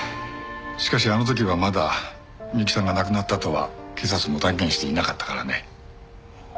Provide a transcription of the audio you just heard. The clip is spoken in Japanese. しかしあの時はまだ美雪さんが亡くなったとは警察も断言していなかったからね。